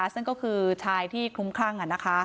ซึ่งก็คือชายที่คลุ้มคลั่ง